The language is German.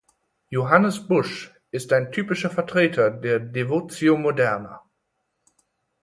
Johannes Busch ist ein typischer Vertreter der "Devotio moderna".